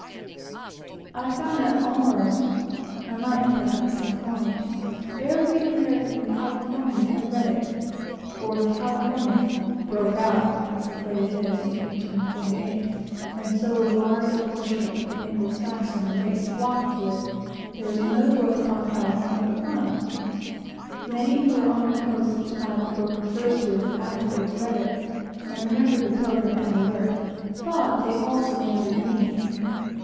I found that almost I might perhaps say quite every American in California had read it; for when California "broke out," as the phrase is, in 1848, and so large a portion of the Anglo Saxon race flocked to it, there was no book upon California but mine. Many who were on the coast at the time the book refers to, and afterwards read it, and remembered the Pilgrim and Alert, thought they also remembered me.